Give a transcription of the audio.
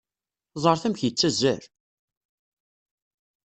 Ẓret amek yettazzal!